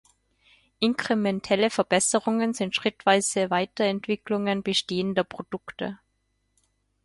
Inkrementelle Verbesserungen sind schrittweise Weiterentwicklungen bestehender Produkte.